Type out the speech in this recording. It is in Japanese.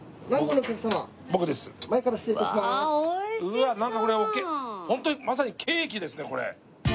うわっなんかこれホントにまさにケーキですねこれ。